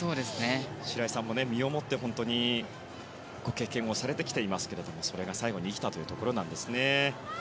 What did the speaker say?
白井さんも身をもってご経験されてきていますけれどもそれが最後に生きたということですね。